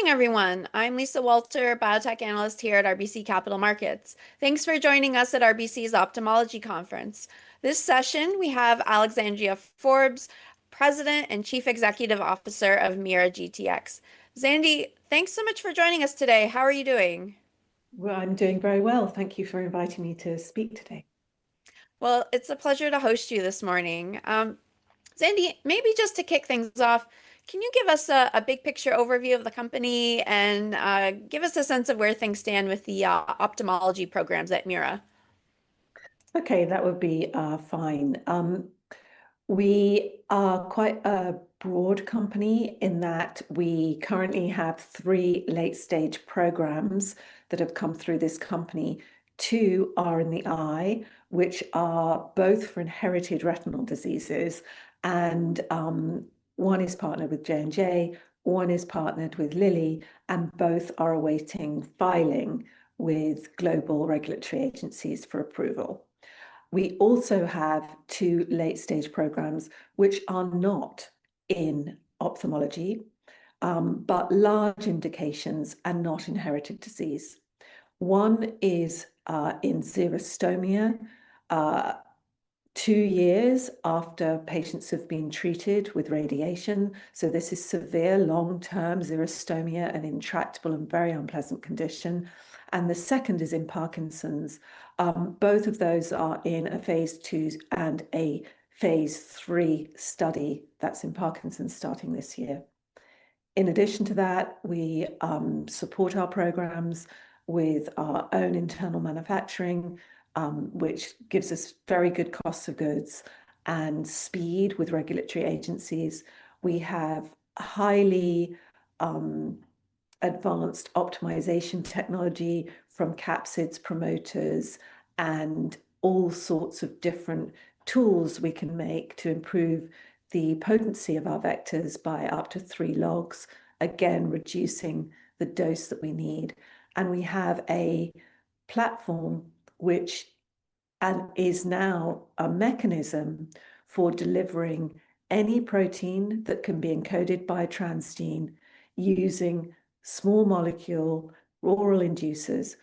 Good morning, everyone. I'm Lisa Walter, Biotech Analyst here at RBC Capital Markets. Thanks for joining us at RBC's Ophthalmology Conference. This session, we have Alexandria Forbes, President and Chief Executive Officer of MeiraGTx. Zandy, thanks so much for joining us today. How are you doing? Well, I'm doing very well. Thank you for inviting me to speak today. Well, it's a pleasure to host you this morning. Zandy, maybe just to kick things off, can you give us a big picture overview of the company and give us a sense of where things stand with the ophthalmology programs at MeiraGTx? Okay, that would be fine. We are quite a broad company in that we currently have three late-stage programs that have come through this company. Two are in the eye, which are both for inherited retinal diseases and one is partnered with J&J, one is partnered with Lilly, and both are awaiting filing with global regulatory agencies for approval. We also have two late-stage programs which are not in ophthalmology, but large indications and not inherited disease. One is in xerostomia two years after patients have been treated with radiation, so this is severe long-term xerostomia, an intractable and very unpleasant condition. The second is in Parkinson's. Both of those are in a phase II and a phase III study. That's in Parkinson's starting this year. In addition to that, we support our programs with our own internal manufacturing, which gives us very good costs of goods and speed with regulatory agencies. We have highly advanced optimization technology from capsids promoters and all sorts of different tools we can make to improve the potency of our vectors by up to three logs, again, reducing the dose that we need. We have a platform which is now a mechanism for delivering any protein that can be encoded by transgene using small molecule oral inducers.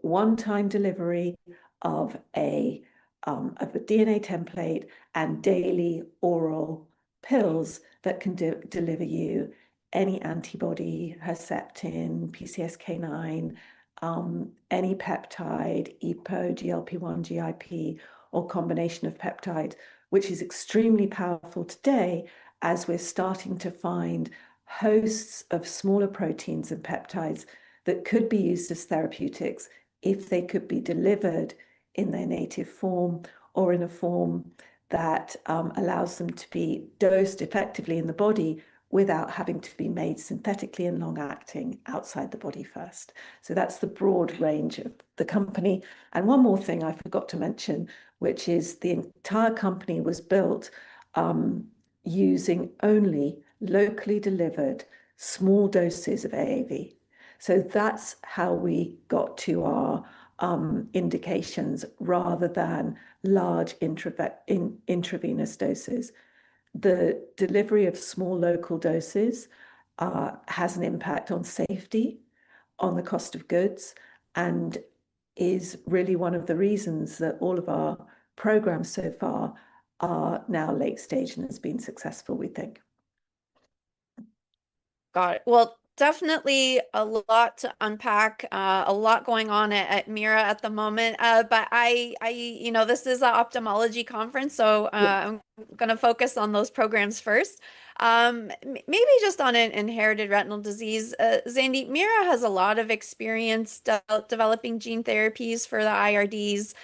One time delivery of a DNA template and daily oral pills that can deliver you any antibody, Herceptin, PCSK9, any peptide, EPO, GLP-1, GIP, or combination of peptide, which is extremely powerful today as we're starting to find hosts of smaller proteins and peptides that could be used as therapeutics if they could be delivered in their native form or in a form that allows them to be dosed effectively in the body without having to be made synthetically and long-acting outside the body first. That's the broad range of the company. One more thing I forgot to mention, which is the entire company was built using only locally delivered small doses of AAV. That's how we got to our indications rather than large intravenous doses. The delivery of small local doses has an impact on safety, on the cost of goods, and is really one of the reasons that all of our programs so far are now late stage and has been successful, we think. Got it. Well, definitely a lot to unpack. A lot going on at MeiraGTx at the moment. But I you know, this is a ophthalmology conference, so. Yeah I'm gonna focus on those programs first. Maybe just on an inherited retinal disease, Zandy, MeiraGTx has a lot of experience developing gene therapies for the IRDs.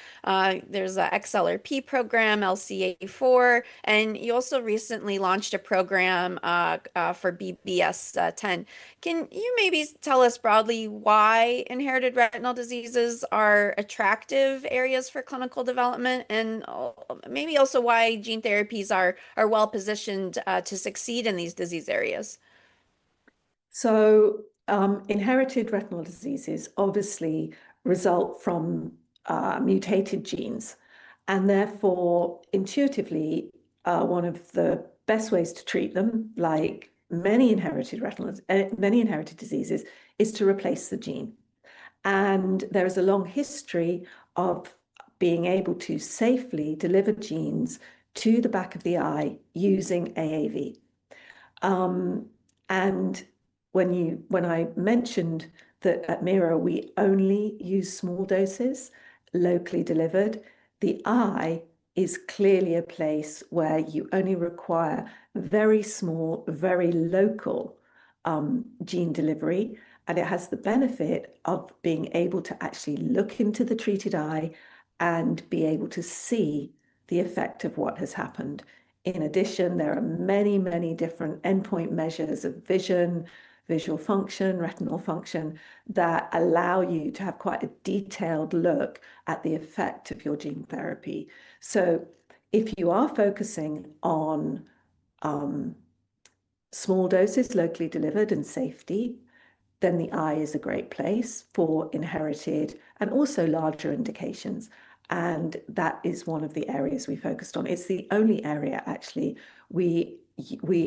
There's a XLRP program, LCA4, and you also recently launched a program for BBS10. Can you maybe tell us broadly why inherited retinal diseases are attractive areas for clinical development and maybe also why gene therapies are well positioned to succeed in these disease areas? Inherited retinal diseases obviously result from mutated genes, and therefore intuitively one of the best ways to treat them, like many inherited diseases, is to replace the gene. There is a long history of being able to safely deliver genes to the back of the eye using AAV. When I mentioned that at MeiraGTx we only use small doses locally delivered, the eye is clearly a place where you only require very small, very local gene delivery, and it has the benefit of being able to actually look into the treated eye and be able to see the effect of what has happened. In addition, there are many, many different endpoint measures of vision, visual function, retinal function that allow you to have quite a detailed look at the effect of your gene therapy. If you are focusing on small doses locally delivered and safety. Then the eye is a great place for inherited and also larger indications, and that is one of the areas we focused on. It's the only area actually we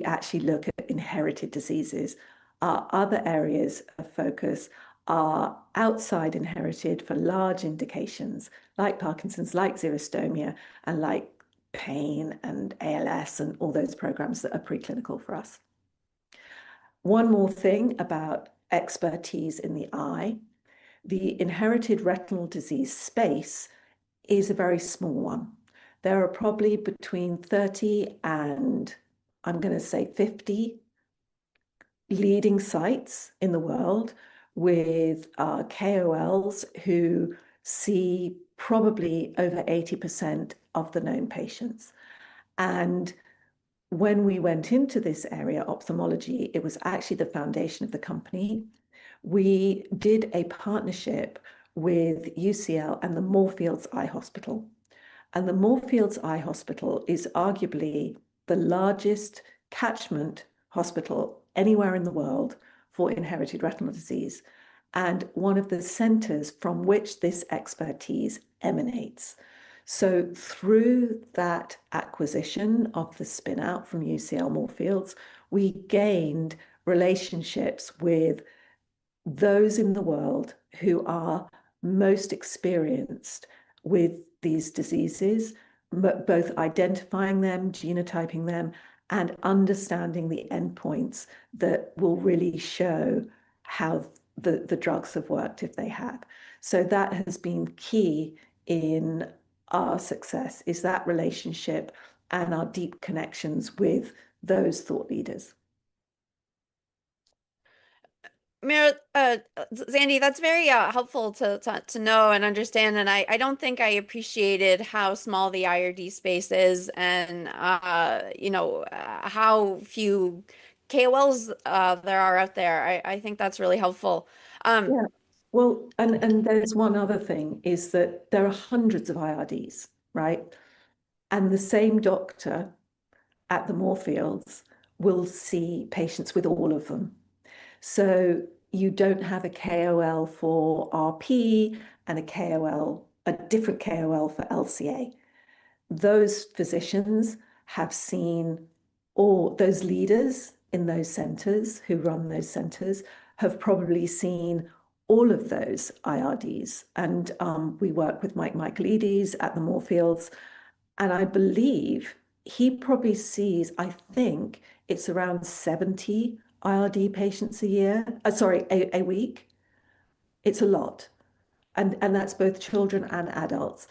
actually look at inherited diseases. Our other areas of focus are outside inherited for large indications like Parkinson's, like xerostomia, and like pain and ALS, and all those programs that are preclinical for us. One more thing about expertise in the eye, the inherited retinal disease space is a very small one. There are probably between 30 and, I'm gonna say 50 leading sites in the world with KOLs who see probably over 80% of the known patients. When we went into this area, ophthalmology, it was actually the foundation of the company. We did a partnership with UCL and the Moorfields Eye Hospital, and the Moorfields Eye Hospital is arguably the largest catchment hospital anywhere in the world for inherited retinal disease, and one of the centers from which this expertise emanates. Through that acquisition of the spin-out from UCL Moorfields, we gained relationships with those in the world who are most experienced with these diseases, both identifying them, genotyping them, and understanding the endpoints that will really show how the drugs have worked if they have. That has been key in our success, is that relationship and our deep connections with those thought leaders. Zandy, that's very helpful to know and understand, and I don't think I appreciated how small the IRD space is and you know how few KOLs there are out there. I think that's really helpful. Yeah. Well, and there's one other thing is that there are hundreds of IRDs, right? The same doctor at the Moorfields will see patients with all of them. You don't have a KOL for RP and a KOL, a different KOL for LCA. Those physicians have seen all those leaders in those centers, who run those centers, have probably seen all of those IRDs and we work with Mike Michaelides at the Moorfields, and I believe he probably sees, I think it's around 70 IRD patients a week. It's a lot, and that's both children and adults.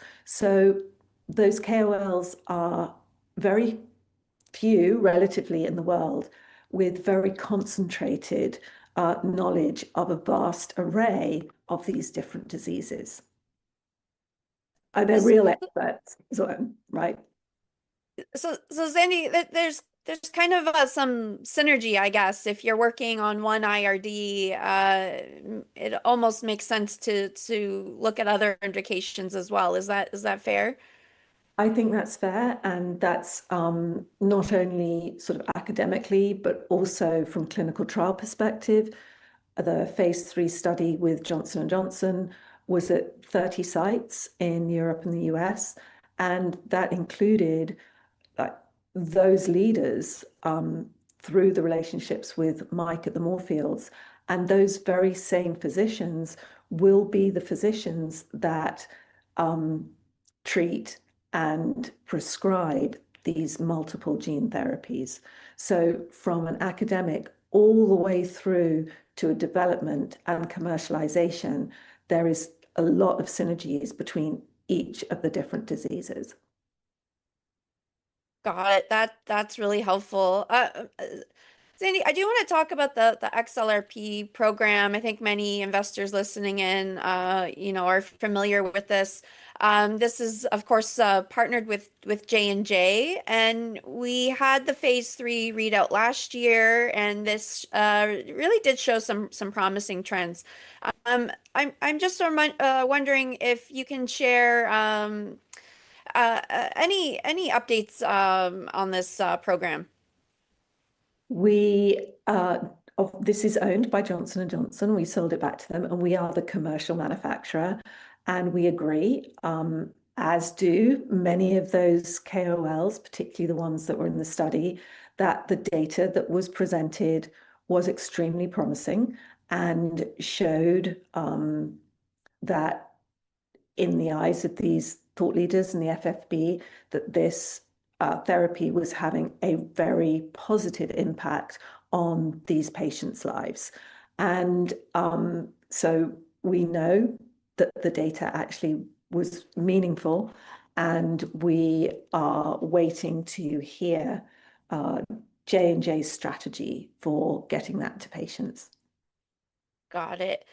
Those KOLs are very few, relatively in the world, with very concentrated knowledge of a vast array of these different diseases, and they're real experts. Right. Zandy, there's kind of some synergy, I guess, if you're working on one IRD, it almost makes sense to look at other indications as well. Is that fair? I think that's fair, and that's not only sort of academically, but also from clinical trial perspective. The phase III study with Johnson & Johnson was at 30 sites in Europe and the U.S., and that included, like, those leaders through the relationships with Mike at the Moorfields, and those very same physicians will be the physicians that treat and prescribe these multiple gene therapies. From an academic all the way through to a development and commercialization, there is a lot of synergies between each of the different diseases. Got it. That's really helpful. Zandy, I do want to talk about the XLRP program. I think many investors listening in, you know, are familiar with this. This is, of course, partnered with J&J, and we had the phase III readout last year, and this really did show some promising trends. I'm just wondering if you can share any updates on this program. This is owned by Johnson & Johnson. We sold it back to them, and we are the commercial manufacturer. We agree, as do many of those KOLs, particularly the ones that were in the study, that the data that was presented was extremely promising and showed that in the eyes of these thought leaders in the FFB, that this therapy was having a very positive impact on these patients' lives. We know that the data actually was meaningful, and we are waiting to hear J&J's strategy for getting that to patients. Got it.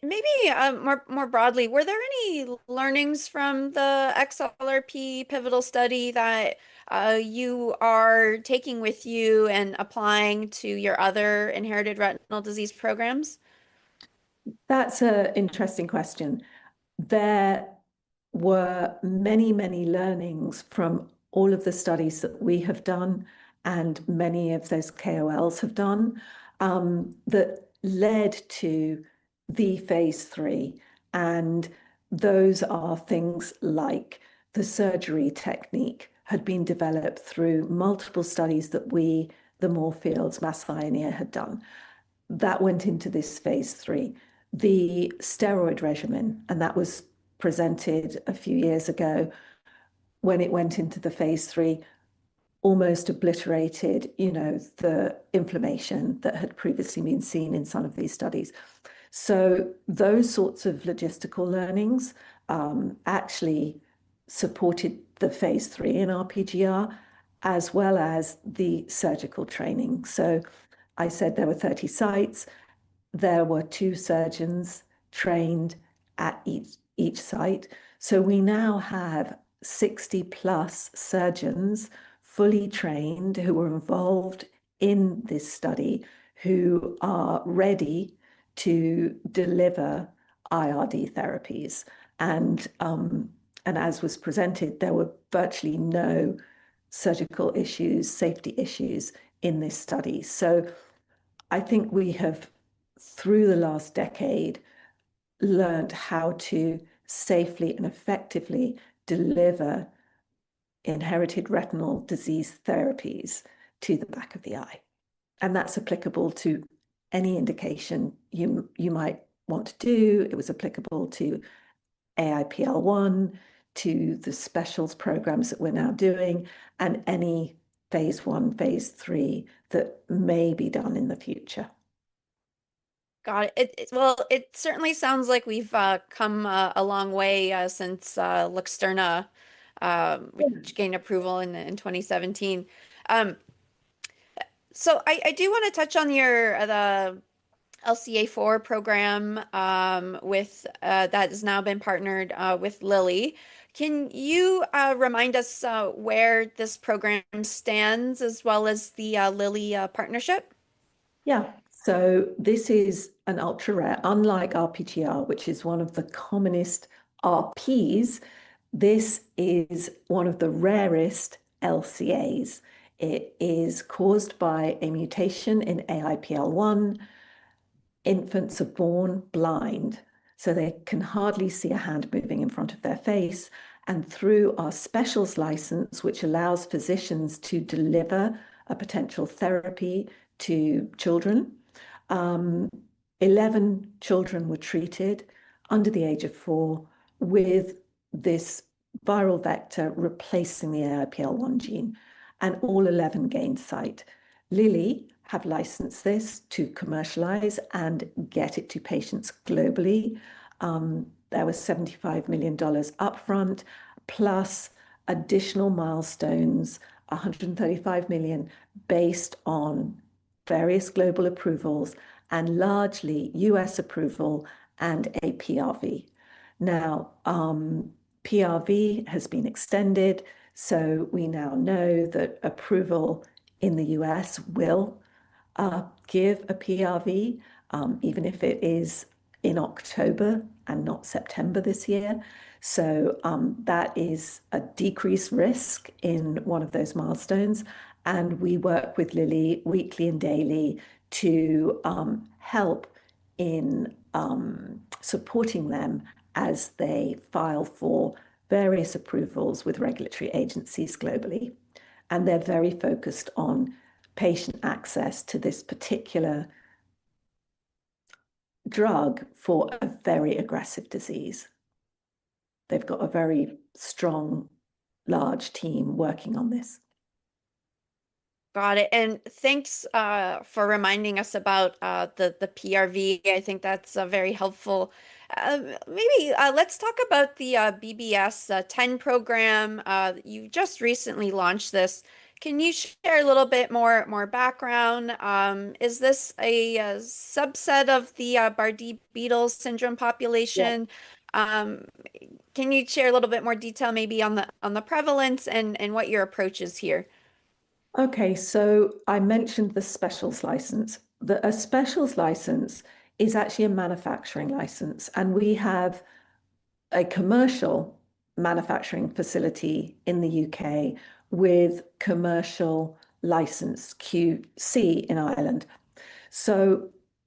Maybe more broadly, were there any learnings from the XLRP pivotal study that you are taking with you and applying to your other inherited retinal disease programs? That's an interesting question. There were many, many learnings from all of the studies that we have done, and many of those KOLs have done, that led to the phase III. Those are things like the surgery technique had been developed through multiple studies that we, the Moorfields, Mass Eye and Ear had done. That went into this phase III. The steroid regimen, and that was presented a few years ago, when it went into the phase III, almost obliterated, you know, the inflammation that had previously been seen in some of these studies. Those sorts of logistical learnings actually supported the phase III in RPGR, as well as the surgical training. I said there were 30 sites. There were two surgeons trained at each site. We now have 60+ surgeons, fully trained, who were involved in this study, who are ready to deliver IRD therapies. As was presented, there were virtually no surgical issues, safety issues in this study. I think we have, through the last decade, learned how to safely and effectively deliver inherited retinal disease therapies to the back of the eye. That's applicable to any indication you might want to do. It was applicable to AIPL1, to the specials programs that we're now doing, and any phase I, phase III that may be done in the future. Got it. It certainly sounds like we've come a long way since Luxturna. Yeah... which gained approval in 2017. I do wanna touch on the LCA4 program with that has now been partnered with Lilly. Can you remind us where this program stands as well as the Lilly partnership? This is an ultra-rare. Unlike RPGR, which is one of the commonest RPs, this is one of the rarest LCAs. It is caused by a mutation in AIPL1. Infants are born blind, so they can hardly see a hand moving in front of their face. Through our specials license, which allows physicians to deliver a potential therapy to children, 11 children were treated under the age of four with this viral vector replacing the AIPL1 gene, and all 11 gained sight. Lilly have licensed this to commercialize and get it to patients globally. There was $75 million up front, plus additional milestones, $135 million based on various global approvals and largely U.S. approval and a PRV. Now, PRV has been extended, so we now know that approval in the U.S. will give a PRV, even if it is in October and not September this year. That is a decreased risk in one of those milestones, and we work with Lilly weekly and daily to help in supporting them as they file for various approvals with regulatory agencies globally. They're very focused on patient access to this particular drug for a very aggressive disease. They've got a very strong, large team working on this. Got it. Thanks for reminding us about the PRV. I think that's very helpful. Maybe let's talk about the BBS10 program. You just recently launched this. Can you share a little bit more background? Is this a subset of the Bardet-Biedl syndrome population? Yeah. Can you share a little bit more detail maybe on the prevalence and what your approach is here? Okay. I mentioned the specials license. The specials license is actually a manufacturing license, and we have a commercial manufacturing facility in the U.K. with commercial license, QC in Ireland.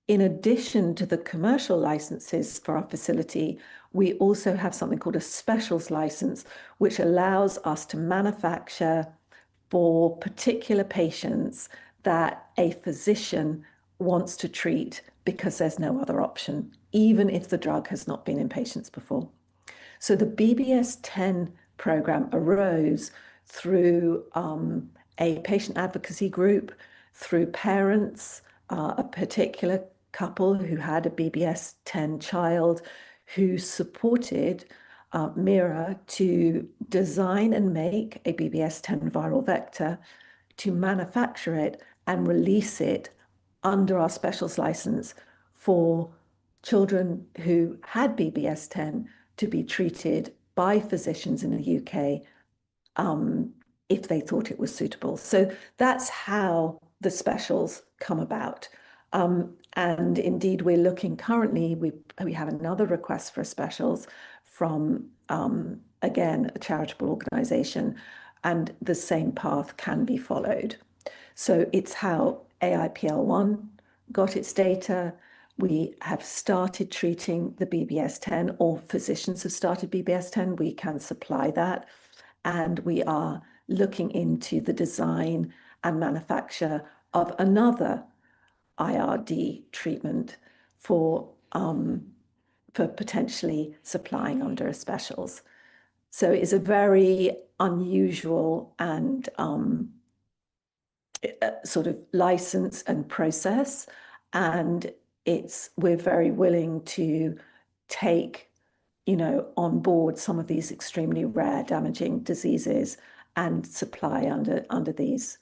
In addition to the commercial licenses for our facility, we also have something called a specials license, which allows us to manufacture for particular patients that a physician wants to treat because there's no other option, even if the drug has not been in patients before. The BBS10 program arose through a patient advocacy group, through parents, a particular couple who had a BBS10 child, who supported MeiraGTx to design and make a BBS10 viral vector, to manufacture it, and release it under our specials license for children who had BBS10 to be treated by physicians in the U.K., if they thought it was suitable. That's how the specials come about. Indeed, we're looking currently. We have another request for specials from, again, a charitable organization, and the same path can be followed. It's how AIPL1 got its data. We have started treating the BBS10, or physicians have started BBS10. We can supply that, and we are looking into the design and manufacture of another IRD treatment for potentially supplying under specials. It's a very unusual and sort of license and process, and we're very willing to take, you know, on board some of these extremely rare damaging diseases and supply under these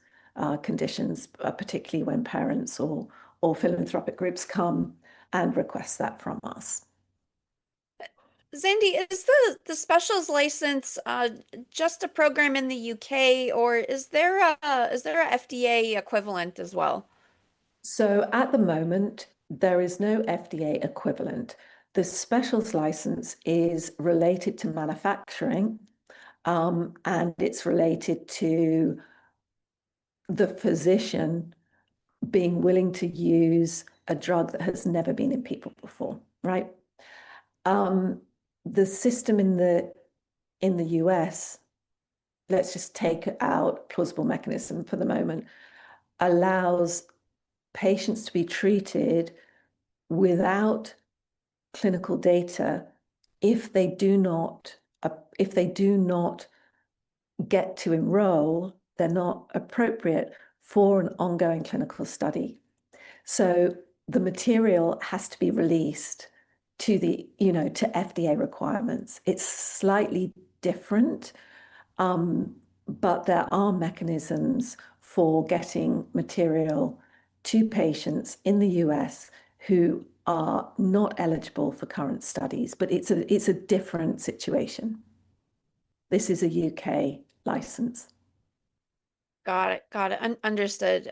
conditions, particularly when parents or philanthropic groups come and request that from us. Zandy, is the specials license just a program in the U.K., or is there a FDA equivalent as well? At the moment, there is no FDA equivalent. The specials license is related to manufacturing, and it's related to the physician being willing to use a drug that has never been in people before, right? The system in the U.S., let's just take out plausible mechanism for the moment, allows patients to be treated without clinical data if they do not get to enroll, they're not appropriate for an ongoing clinical study. The material has to be released to the, you know, to FDA requirements. It's slightly different, but there are mechanisms for getting material to patients in the U.S. who are not eligible for current studies, but it's a different situation. This is a U.K. license. Got it. Understood.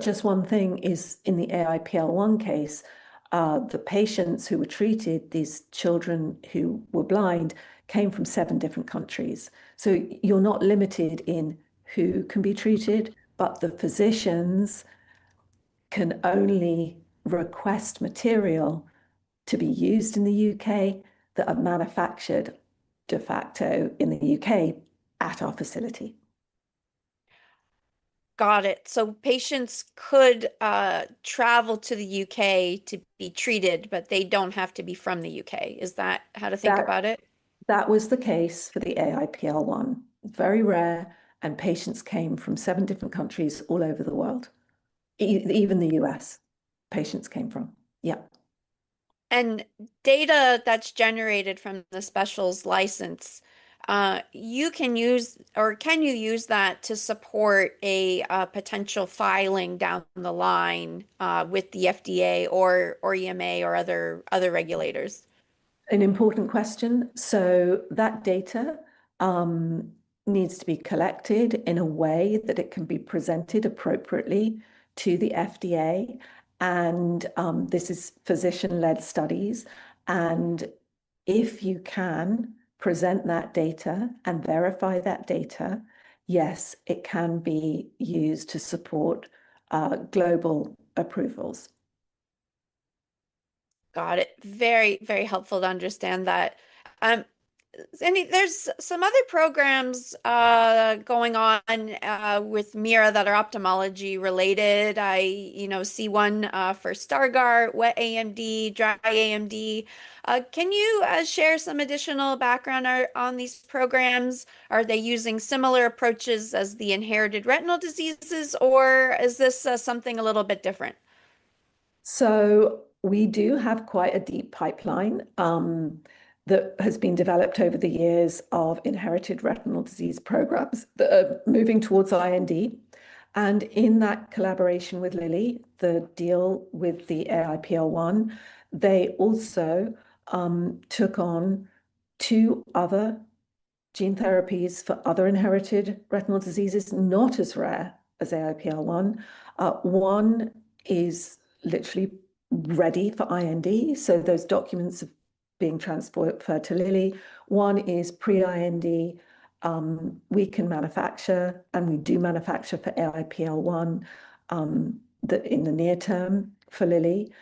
Just one thing, in the AIPL1 case, the patients who were treated, these children who were blind, came from seven different countries. You're not limited in who can be treated, but the physicians can only request material to be used in the U.K. that are manufactured de facto in the U.K. at our facility. Got it. Patients could travel to the U.K. to be treated, but they don't have to be from the U.K. Is that how to think about it? That was the case for the AIPL1. Very rare, and patients came from seven different countries all over the world. Even the U.S., patients came from. Yeah. Data that's generated from the specials license, you can use or can you use that to support a potential filing down the line, with the FDA or EMA or other regulators? An important question. That data needs to be collected in a way that it can be presented appropriately to the FDA, and this is physician-led studies. If you can present that data and verify that data, yes, it can be used to support global approvals. Got it. Very, very helpful to understand that. Zandy, there's some other programs going on with MeiraGTx that are ophthalmology related. I, you know, see one for Stargardt, wet AMD, dry AMD. Can you share some additional background on these programs? Are they using similar approaches as the Inherited Retinal Diseases, or is this something a little bit different? We do have quite a deep pipeline that has been developed over the years of inherited retinal disease programs that are moving towards IND. In that collaboration with Lilly, the deal with the AIPL1, they also took on two other gene therapies for other inherited retinal diseases, not as rare as AIPL1. One is literally ready for IND, so those documents are being transferred to Lilly. One is pre-IND, we can manufacture, and we do manufacture for AIPL1 in the near term for Lilly.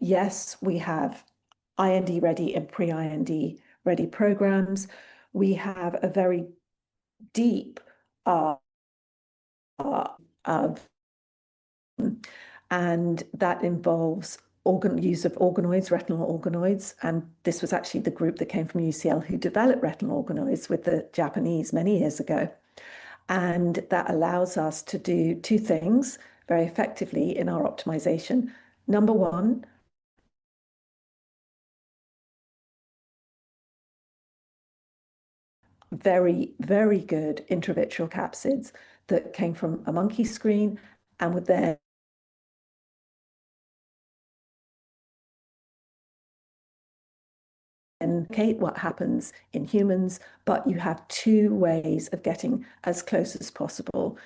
Yes, we have IND ready and pre-IND ready programs. We have a very deep, and that involves use of organoids, retinal organoids, and this was actually the group that came from UCL who developed retinal organoids with the Japanese many years ago. That allows us to do two things very effectively in our optimization. Number one, very, very good intravitreal capsids that came from a monkey screen, and what happens in humans, but you have two ways of getting as close as possible.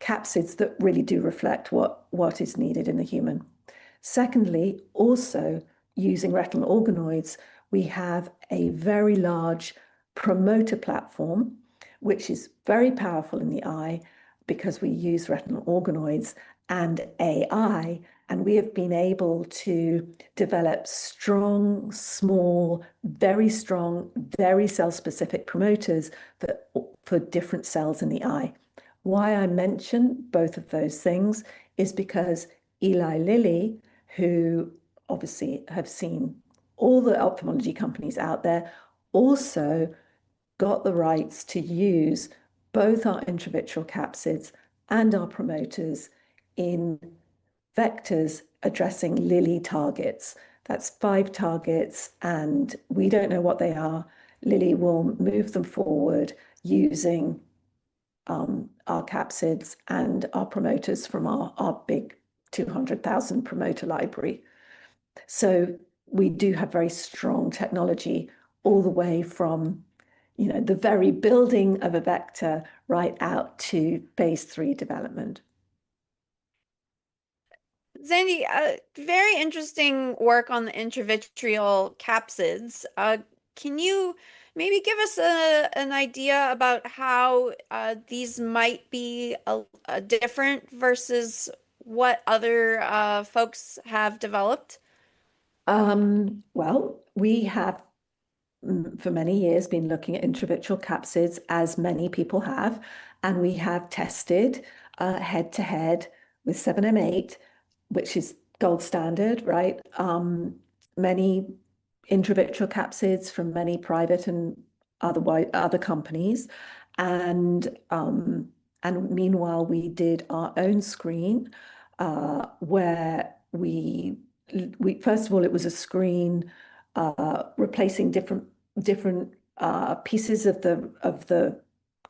Capsids that really do reflect what is needed in the human. Secondly, also using retinal organoids, we have a very large promoter platform, which is very powerful in the eye because we use retinal organoids and AI, and we have been able to develop strong, small, very strong, very cell-specific promoters that for different cells in the eye. Why I mention both of those things is because Eli Lilly, who obviously have seen all the ophthalmology companies out there, also got the rights to use both our intravitreal capsids and our promoters in vectors addressing Lilly targets. That's five targets, and we don't know what they are. Lilly will move them forward using our capsids and our promoters from our big 200,000 promoter library. We do have very strong technology all the way from, you know, the very building of a vector right out to phase III development. Zandy, very interesting work on the intravitreal capsids. Can you maybe give us an idea about how these might be a different versus what other folks have developed? Well, we have for many years been looking at intravitreal capsids as many people have, and we have tested head-to-head with AAV.7m8, which is gold standard, right, many intravitreal capsids from many private and other companies. Meanwhile, we did our own screen where we first of all, it was a screen replacing different pieces of the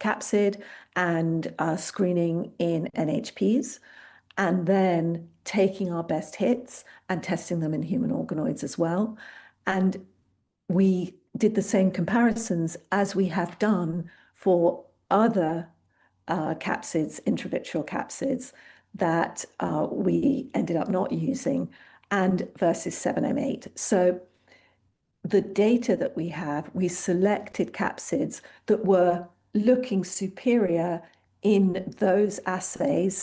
capsid and screening in NHPs, and then taking our best hits and testing them in human organoids as well. We did the same comparisons as we have done for other capsids, intravitreal capsids that we ended up not using and versus AAV.7m8. The data that we have, we selected capsids that were looking superior in those assays,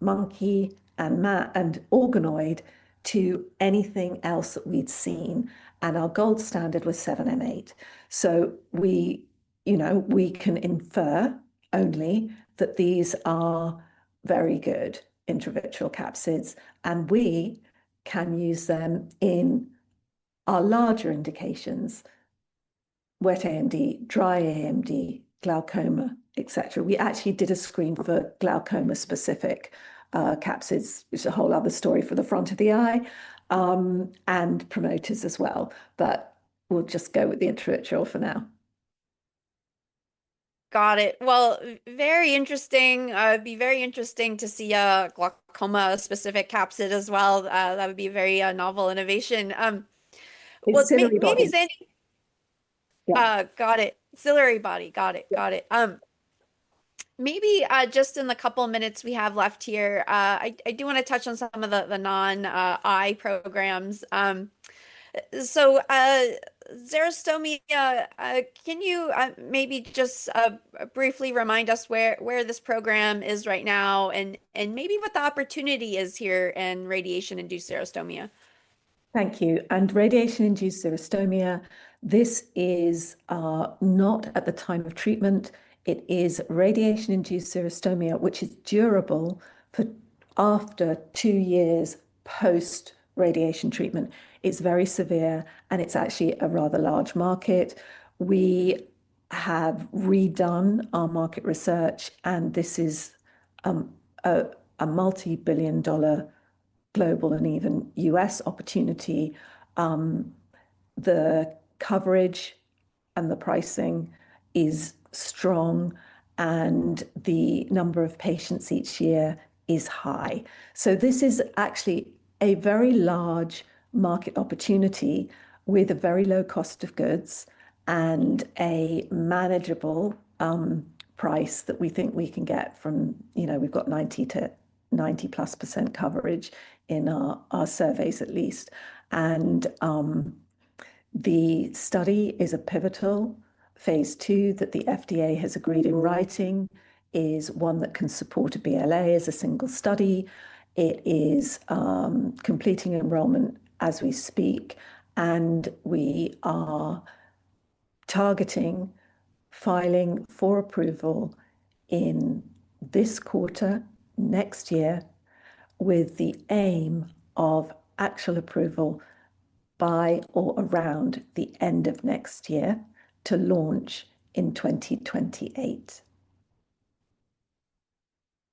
monkey and organoid to anything else that we'd seen, and our gold standard was AAV.7m8. We, you know, can infer only that these are very good intravitreal capsids, and we can use them in our larger indications, wet AMD, dry AMD, glaucoma, etcetera. We actually did a screen for glaucoma-specific capsids. It's a whole other story for the front of the eye, and promoters as well. We'll just go with the intravitreal for now. Got it. Well, very interesting. It'd be very interesting to see a glaucoma-specific capsid as well. That would be a very novel innovation. It's ciliary body. Got it. Ciliary body. Got it. Yeah. Got it. Maybe just in the couple of minutes we have left here, I do wanna touch on some of the non-eye programs. So, xerostomia, can you maybe just briefly remind us where this program is right now and maybe what the opportunity is here in radiation-induced xerostomia? Thank you. Radiation-induced xerostomia, this is not at the time of treatment. It is radiation-induced xerostomia, which is durable for after two years post radiation treatment. It's very severe, and it's actually a rather large market. We have redone our market research, and this is a multi-billion-dollar global and even U.S. opportunity. The coverage and the pricing is strong, and the number of patients each year is high. This is actually a very large market opportunity with a very low cost of goods and a manageable price that we think we can get from, you know, we've got 90% to 90%+ coverage in our surveys at least. The study is a pivotal phase II that the FDA has agreed in writing is one that can support a BLA as a single study. It is completing enrollment as we speak, and we are targeting filing for approval in this quarter next year with the aim of actual approval by or around the end of next year to launch in 2028.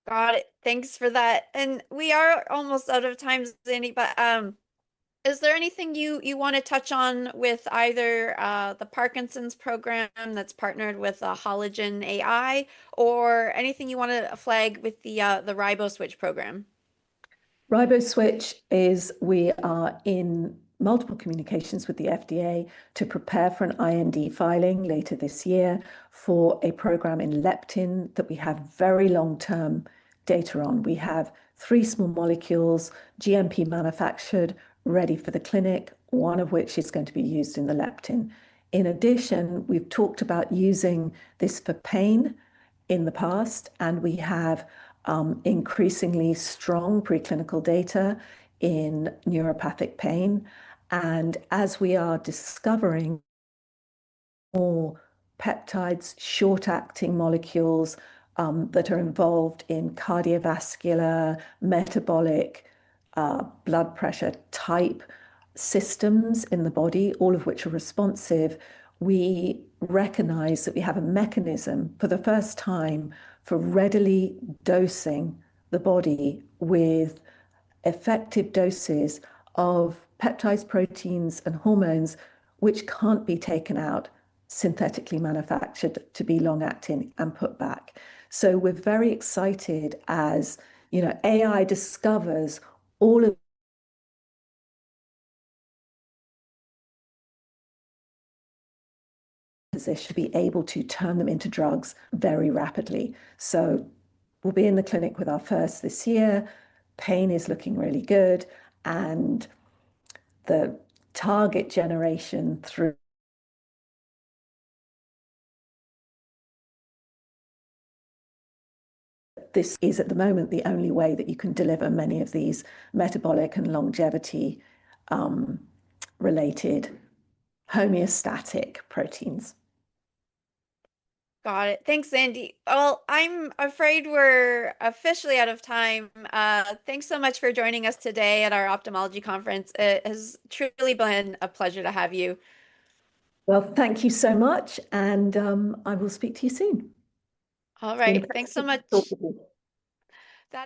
Got it. Thanks for that. We are almost out of time, Zandy, but is there anything you wanna touch on with either the Parkinson's program that's partnered with Hologen AI, or anything you wanna flag with the Riboswitch program? Riboswitch, we are in multiple communications with the FDA to prepare for an IND filing later this year for a program in leptin that we have very long-term data on. We have three small molecules, GMP manufactured, ready for the clinic, one of which is going to be used in the leptin. In addition, we've talked about using this for pain in the past, and we have increasingly strong preclinical data in neuropathic pain. As we are discovering more peptides, short-acting molecules that are involved in cardiovascular, metabolic, blood pressure-type systems in the body, all of which are responsive, we recognize that we have a mechanism for the first time for readily dosing the body with effective doses of peptides, proteins, and hormones, which can't be taken out, synthetically manufactured to be long-acting and put back. We're very excited, you know, AI discovers this should be able to turn them into drugs very rapidly. We'll be in the clinic with our first this year. Pain is looking really good, and the target generation through this is, at the moment, the only way that you can deliver many of these metabolic and longevity related homeostatic proteins. Got it. Thanks, Zandy. Well, I'm afraid we're officially out of time. Thanks so much for joining us today at our Ophthalmology Conference. It has truly been a pleasure to have you. Well, thank you so much, and I will speak to you soon. All right. Thanks so much. Talk to you.